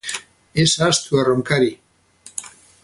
Ez ahaztu Erronkari.